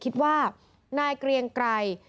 คิดว่านายเกรียงไกร